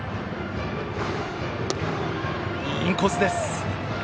インコースです。